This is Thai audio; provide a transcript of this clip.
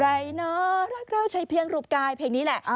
ใครหนอรักเราใช้เพียงหลุบกายเพลงนี้แหละ